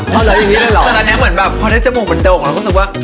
แต่ตอนนี้เหมือนแบบพอได้จมูกมันดกเราก็คิดว่า